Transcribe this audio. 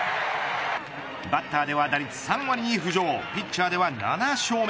バッターでは打率３割に浮上ピッチャーでは７勝目。